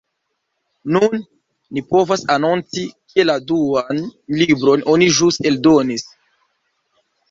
Nun ni povas anonci, ke la duan libron oni ĵus eldonis.